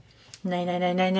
ないない。